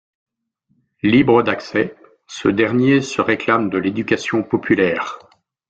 Libre d'accès, ce dernier se réclame de l'éducation populaire.